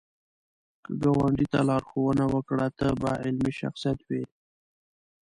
که ګاونډي ته لارښوونه وکړه، ته به علمي شخصیت وې